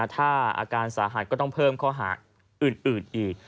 ถ้าอาการสาหัสก็ต้องเพิ่มข้อหาอื่นอีก